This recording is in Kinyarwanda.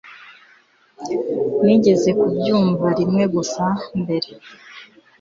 nigeze kubyumva rimwe gusa mbere